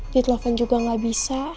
ditelofan juga gak bisa